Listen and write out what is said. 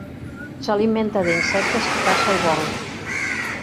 S'alimenta d'insectes que caça al vol.